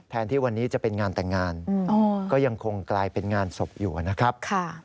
ที่วันนี้จะเป็นงานแต่งงานก็ยังคงกลายเป็นงานศพอยู่นะครับ